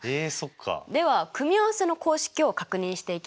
では組合せの公式を確認していきますね。